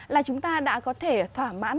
là chúng ta đã có thể thỏa mãn